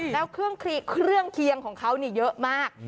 แล้วเครื่องเคียงของเขาเยอะมาก